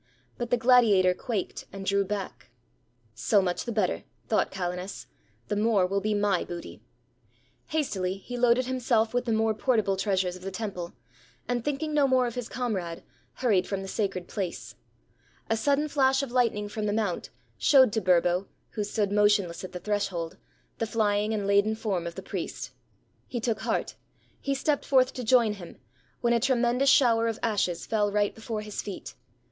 But the gladiator quaked, and drew back. "So much the better," thought Calenus; "the more will be my booty." Hastily he loaded himself with the more portable treasures of the temple; and thinking no more of his comrade, hurried from the sacred place. A sudden flash of lightning from the mount showed to Burbo, who stood motionless at the threshold, the flying and laden form of the priest. He took heart; he stepped forth to join him, when a tremendous shower of ashes fell right before his feet.